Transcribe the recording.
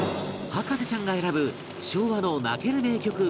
博士ちゃんが選ぶ昭和の泣ける名曲